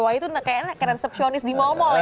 wah itu kayaknya resepsionis di momo ya